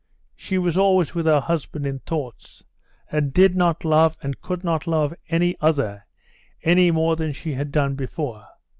She was always with her husband in thoughts, and did not love and could not love any other any more than she had done before.